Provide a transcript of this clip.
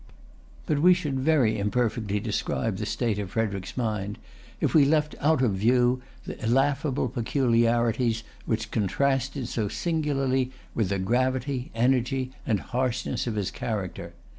But we should very imperfectly describe the state of Frederic's mind, if we left out of view the laughable peculiarities which contrasted so singularly with the gravity, energy, and harshness of his character.